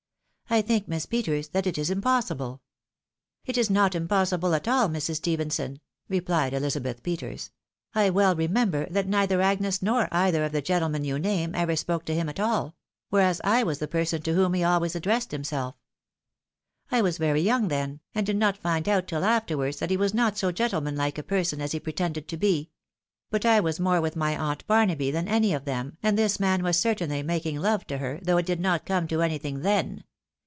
I think. Miss Peters, that it is impossible." "It is not impossible at all, Mrs. Stephenson," replied Elizabeth Peters. " I well remember that neither Agnes nor either of the gentlemen you name, ever spoke to him at all ; whereas I was the person to whom he always addressed himself. AN OLD FEIEND WITH A NEW NA5IE. 3C5 I was very young then, and did not find out till afterwards that he was not so gentlemanlike a person as he pretended to be. But I was more with my aunt Barnaby than any of them, and this man was certainly making love to her, though it did not come to anything then.